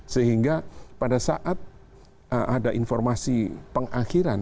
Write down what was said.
sehingga pada saat ada informasi pengakhiran